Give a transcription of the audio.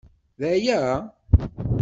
D aya?